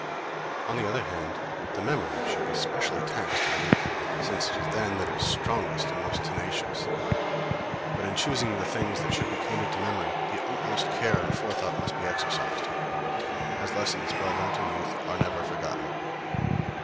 On the other hand, the memory should be specially taxed in youth, since it is then that it is strongest and most tenacious. But in choosing the things that should be committed to memory the utmost care and forethought must be exercised; as lessons well learnt in youth are never forgotten.